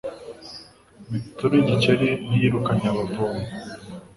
Imitunu y’igikeri ntiyirukanye abavomyi